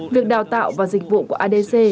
việc đào tạo và dịch vụ của adc